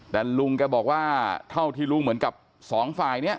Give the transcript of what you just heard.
แต่ลุงแกบอกว่าเท่าที่รู้เหมือนกับสองฝ่ายเนี่ย